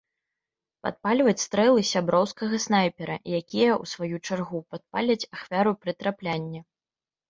Падпальваць стрэлы сяброўскага снайпера, якія, у сваю чаргу, падпаляць ахвяру пры траплянні.